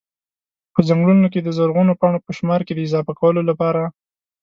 په ځنګلونو کي د زرغونو پاڼو په شمار کي د اضافه کولو لپاره